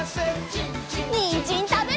にんじんたべるよ！